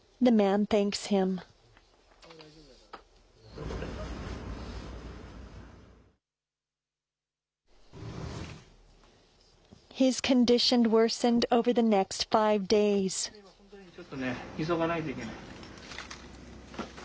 今本当にちょっと、急がないといけない。